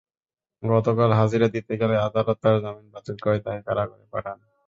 গতকাল হাজিরা দিতে গেলে আদালত তাঁর জামিন বাতিল করে তাঁকে কারাগারে পাঠান।